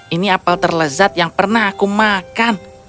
ini apel terlezat yang pernah aku makan